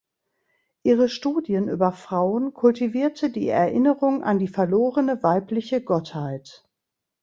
Ihre Studien über Frauen kultivierte die Erinnerung an die verlorene weibliche Gottheit.